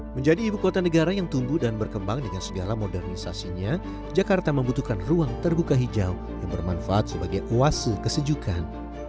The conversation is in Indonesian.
menjadi ibu kota negara yang tumbuh dan berkembang dengan segala modernisasinya jakarta membutuhkan ruang terbuka hijau yang bermanfaat sebagai oase kesejukan